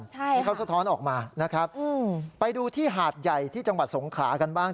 ที่เขาสะท้อนออกมานะครับไปดูที่หาดใหญ่ที่จังหวัดสงขลากันบ้าง